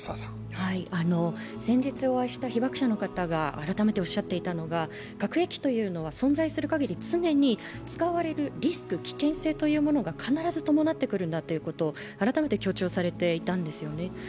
先日お会いした被爆者の方が改めておっしゃっていたのは、核兵器というのは存在する限り常に使われるリスク、危険性というものが必ず伴ってくるんだということを改めて強調されていたんですよね。